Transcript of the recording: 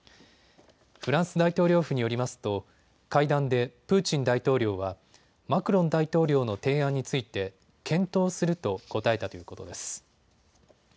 フランス大統領府によりますと会談でプーチン大統領はマクロン大統領の提案について検討すると答えたということです。